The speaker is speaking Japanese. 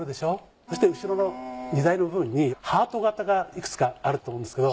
そして後ろの荷台の部分にハート型がいくつかあると思うんですけど。